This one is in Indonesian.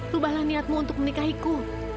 rubahlah niatmu untuk menikahiku